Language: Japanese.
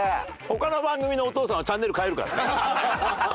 他の番組のお父さんはチャンネル変えるからね。